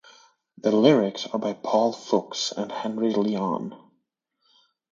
The lyrics are by Paul Fuchs and Henry Lyon.